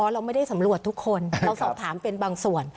เราไม่ได้สำรวจทุกคนเราสอบถามเป็นบางส่วน